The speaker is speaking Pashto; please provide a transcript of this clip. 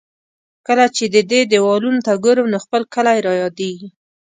کله چې د دې دېوالونو ته ګورم، نو خپل کلی را یادېږي.